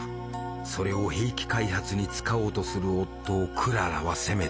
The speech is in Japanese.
それを兵器開発に使おうとする夫をクララは責めた。